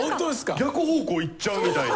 逆方向行っちゃうみたいな。